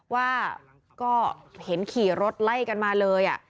ว่าก็เห็นขี่รถไล่กันมาเลย